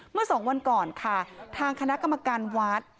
เมื่อสองวันก่อนค่ะทางคณะกรรมการวัด